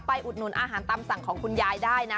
อุดหนุนอาหารตามสั่งของคุณยายได้นะ